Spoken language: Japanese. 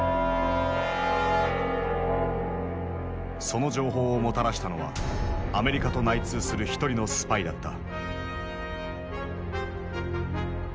その情報をもたらしたのはアメリカと内通する一人のスパイだった。